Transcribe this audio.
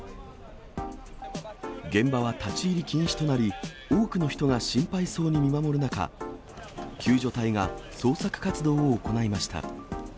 現場は立ち入り禁止となり、多くの人が心配そうに見守る中、救助隊が捜索活動を行いました。